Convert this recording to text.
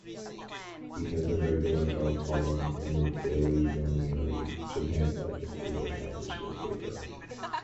He has a regular go column in The Daily Yomiuri, Japan's largest English-language newspaper.